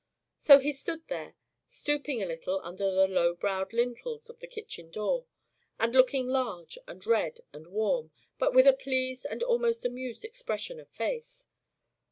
So he stood there, stooping a little under the low browed lintels of the kitchen door, and looking large, and red, and warm, but with a pleased and almost amused expression of face.